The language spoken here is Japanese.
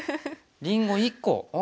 りんご１個ああ